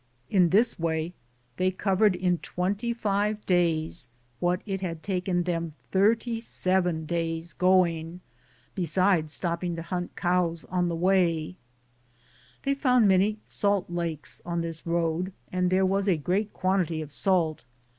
In this way they covered in 25 daya what had taken them 37 days going, besides stopping to hunt cows on the way. They found many salt lakes on this road, and there was a great quantity of salt.